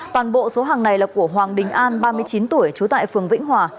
toàn bộ số hàng này là của hoàng đình an ba mươi chín tuổi trú tại phường vĩnh hòa